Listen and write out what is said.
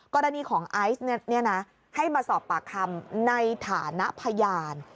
กรณีของไอซ์ให้มาสอบปากคำในฐานะพยาน